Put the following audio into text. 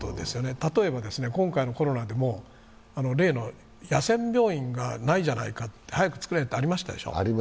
例えば今回のコロナでも例の野戦病院がないじゃないか早くつくれとありましたでしょう。